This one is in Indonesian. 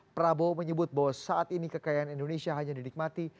prabowo menyebut bahwa saat ini kekayaan indonesia hanya didikmati